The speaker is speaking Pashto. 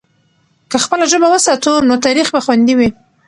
که خپله ژبه وساتو، نو تاریخ به خوندي وي.